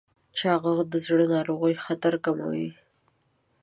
چاغښت د زړه ناروغیو خطر زیاتوي.